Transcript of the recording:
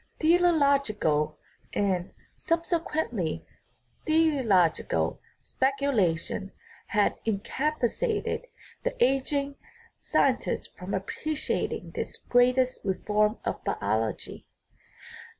Teleological and, subsequently, theological speculations had inca pacitated the ageing scientist from appreciating this greatest reform of biology.